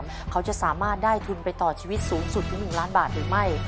มันจะอาจธูลไปต่อชีวิตสูงสุดที่๑ล้านบาทหรือไม่